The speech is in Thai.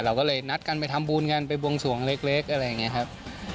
เราก็เลยนัดกันไปทำบุญกันไปบวงสวงเล็กอะไรอย่างนี้ครับ